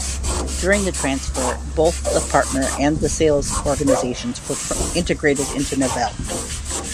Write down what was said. During the transfer, both the partner and the sales organizations were integrated into Novell.